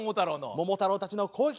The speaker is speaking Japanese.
桃太郎たちの攻撃。